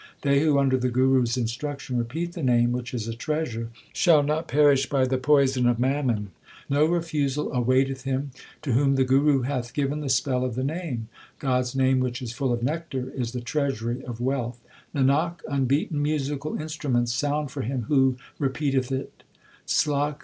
They who under the Guru s instruction repeat the Name, which is a treasure, Shall not perish by the poison of mammon. No refusal awaiteth him To whom the Guru hath given the spell of the Name. God s name which is full of nectar is the treasury of wealth : Nanak, unbeaten musical instruments sound for him who repeateth it.